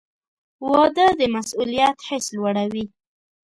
• واده د مسؤلیت حس لوړوي.